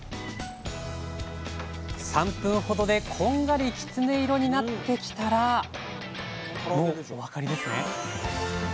３分ほどでこんがりキツネ色になってきたらもうお分かりですね？